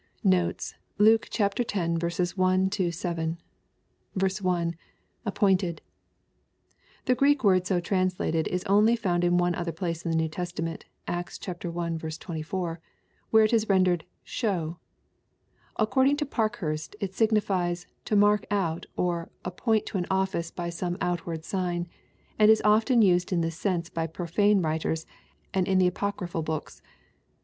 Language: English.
Notes. Luke X 1 — 7. L — [Appointed,'] The Greek word so translated is only found in one oliier place in the New Testament, Acts i. 24, where it is rendered "show." According to Parkhurst, it signifies "to mark out, or, appoint to an office by some outward sign, and is oflen used in this sense by profane writers, and in the apocryphal books."